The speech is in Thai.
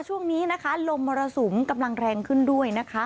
ช่วงนี้นะคะลมมรสุมกำลังแรงขึ้นด้วยนะคะ